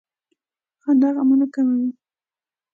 • خندا غمونه کموي.